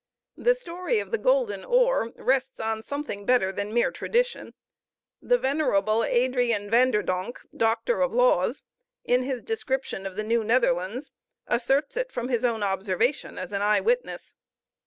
The story of the golden ore rests on something better than mere tradition. The venerable Adrian Van der Donck, Doctor of Laws, in his description of the New Netherlands, asserts it from his own observation as an eye witness.